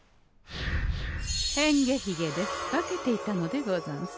変化ひげで化けていたのでござんす。